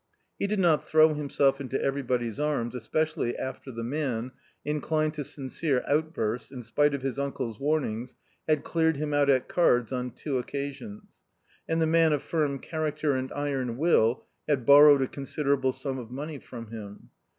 He did not throw himself into everybody's arms especially after the man, inclined to sincere outbursts, in spite of his uncle's warnings, had cleared him out at cards on two occasions, and the man of firm character and iron will had borrowed a considerable sum of money from him.